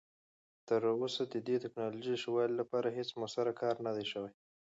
خو تراوسه د دې تکنالوژۍ ښه والي لپاره هیڅ مؤثر کار نه دی شوی.